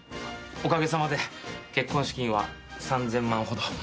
おかげさまで結婚資金は３，０００万ほど。